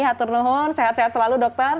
hatur nuhun sehat sehat selalu dokter